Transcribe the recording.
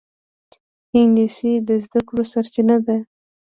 انګلیسي د زده کړو سرچینه ده